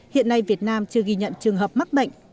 hiện nay việt nam chưa ghi nhận trường hợp mắc bệnh